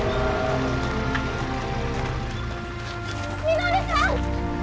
稔さん！